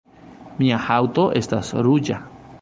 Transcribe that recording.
Mia haŭto estas ruĝa